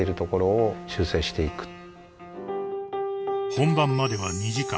［本番までは２時間］